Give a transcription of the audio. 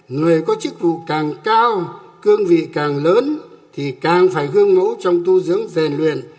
người có chức vụ càng cao cương vị càng lớn thì càng phải gương mẫu trong tu dưỡng rèn luyện